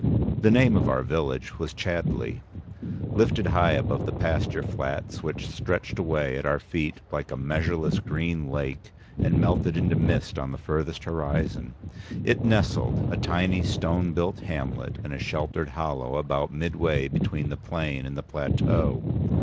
The name of our village was Chadleigh. Lifted high above the pasture flats which stretched away at our feet like a measureless green lake and melted into mist on the furthest horizon, it nestled, a tiny stone built hamlet, in a sheltered hollow about midway between the plain and the plateau.